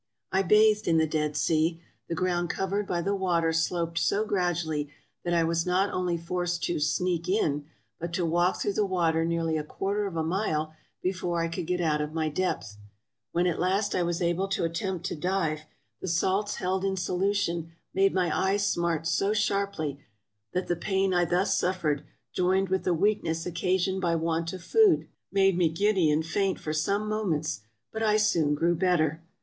I bathed in the Dead Sea. The ground covered by the ASIA 325 water sloped so gradually that I was not only forced to " sneak in," but to walk through the water nearly a quarter of a mile before I could get out of my depth. When at last I was able to attempt to dive, the salts held in solution made my eyes smart so sharply that the pain I thus suffered, joined with the weakness occasioned by want of food, made me giddy and faint for some moments ; but I soon grew better.